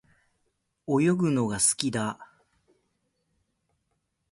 泳ぐのが好きだ。